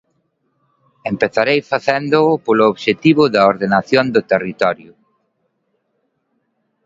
Empezarei facéndoo polo obxectivo da ordenación do territorio.